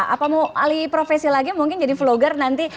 apa mau alih profesi lagi mungkin jadi vlogger nanti